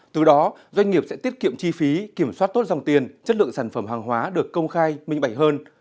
từ đó doanh nghiệp sẽ tiết kiệm chi phí kiểm soát tốt dòng tiền chất lượng sản phẩm hàng hóa được công khai minh bạch hơn